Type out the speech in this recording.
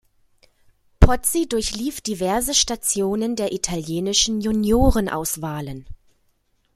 Pozzi durchlief diverse Stationen der italienischen Juniorenauswahlen.